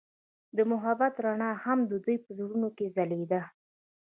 د محبت رڼا هم د دوی په زړونو کې ځلېده.